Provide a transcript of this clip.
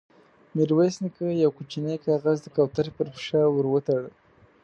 ميرويس نيکه يو کوچينۍ کاغذ د کوترې پر پښه ور وتاړه.